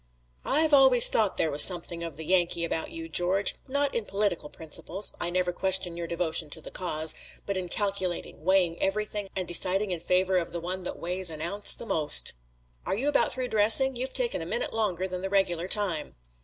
"I've always thought there was something of the Yankee about you, George, not in political principles I never question your devotion to the cause but in calculating, weighing everything and deciding in favor of the one that weighs an ounce the most." "Are you about through dressing? You've taken a minute longer than the regular time."